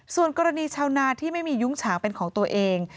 ส่วนกรณีชาวนาที่ไม่มียุ้งฉางเป็นของตัวเอง